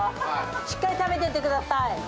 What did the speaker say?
しっかり食べてってください。